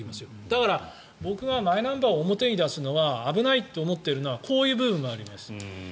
だから、僕がマイナンバーを表に出すのは危ないって思ってるのはこういう部分があります。